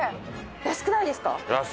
安くないですか？